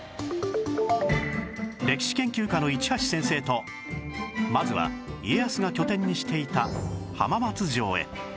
歴史研究家の市橋先生とまずは家康が拠点にしていた浜松城へ